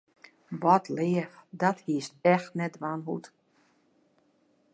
Wat leaf, dat hiest echt net dwaan hoegd.